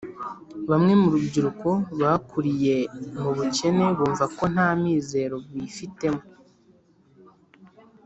Bamwe mu rubyiruko bakuriye mu bukene bumva nta mizero bifitemo